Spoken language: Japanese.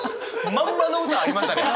まんまの歌ありましたね！